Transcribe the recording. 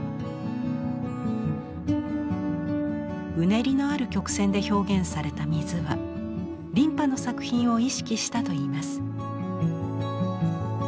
うねりのある曲線で表現された水は琳派の作品を意識したといいます。